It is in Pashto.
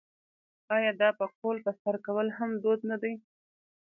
آیا د پکول په سر کول هم دود نه دی؟